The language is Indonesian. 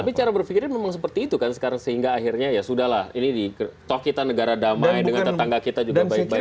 tapi cara berpikirnya memang seperti itu kan sekarang sehingga akhirnya ya sudah lah ini toh kita negara damai dengan tetangga kita juga baik baik saja